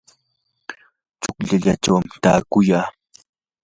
chuklallachaw taakuyan.